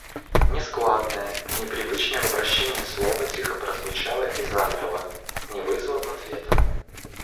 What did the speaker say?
Нескладное, непривычное в обращении слово тихо прозвучало и замерло, не вызвав ответа.